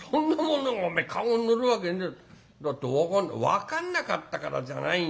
「分かんなかったからじゃないよ。